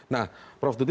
nah prof duti